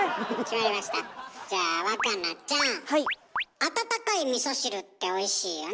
温かいみそ汁っておいしいよね？